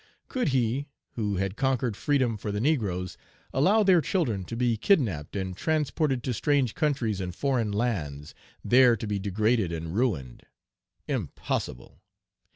Could he, who had conquered freedom for the negroes, allow their children to be kidnapped and transported to strange countries and foreign lands, there to be degraded and ruined? Impossible!